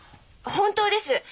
本当です！